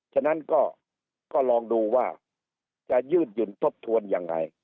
เราต้องดูว่าจะยืดหยุ่นทบทวนยังไง